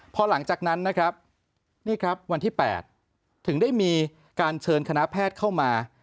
พอหลังจากนั้นนะครับนี่ครับวันที่๘ถึงได้มีการเชิญคณะแพทย์เข้ามา